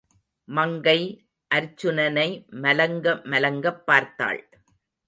மங்கை, அர்ச்சுனனை மலங்க மலங்கப் பார்த்தாள்.